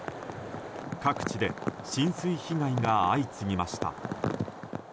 各地で浸水被害が相次ぎました。